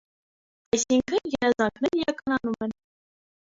Այսինքն՝ երազանքներն իրականանում են։